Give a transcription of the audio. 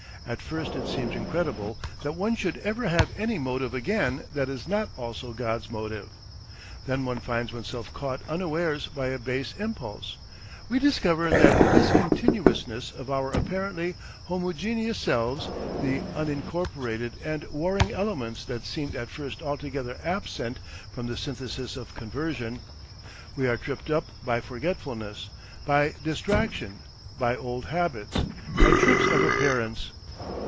At first it seems incredible that one should ever have any motive again that is not also God's motive. Then one finds oneself caught unawares by a base impulse. We discover that discontinuousness of our apparently homogeneous selves, the unincorporated and warring elements that seemed at first altogether absent from the synthesis of conversion. We are tripped up by forgetfulness, by distraction, by old habits, by tricks of appearance.